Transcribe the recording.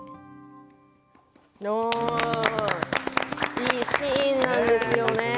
いいシーンなんですよね。